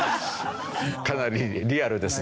かなりリアルですね。